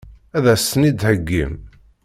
Ad as-ten-id-theggim?